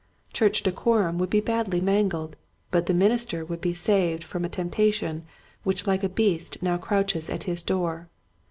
church decorum would be badly mangled, but the minister would be saved from a temptation which like a beast now crouches at his door.